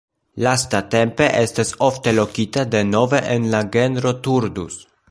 Lastatempe estas ofte lokita denove en la genro "Turdus".